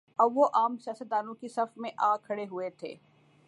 اب وہ عام سیاست دانوں کی صف میں آ کھڑے ہوئے تھے۔